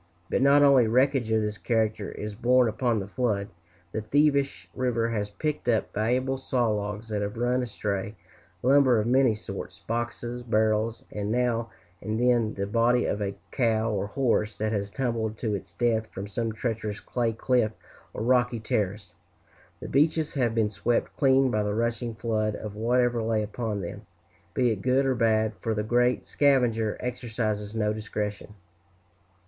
But not only wreckage of this character is borne upon the flood. The thievish river has picked up valuable saw logs that have run astray, lumber of many sorts, boxes, barrels and now and then the body of a cow or horse that has tumbled to its death from some treacherous clay cliff or rocky terrace. The beaches have been swept clean by the rushing flood, of whatever lay upon them, be it good or bad, for the great scavenger exercises no discretion.